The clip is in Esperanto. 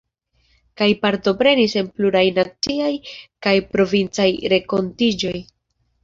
Kaj partoprenis en pluraj naciaj kaj provincaj renkontiĝoj.